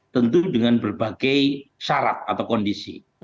tentu dengan berbagai syarat atau kondisi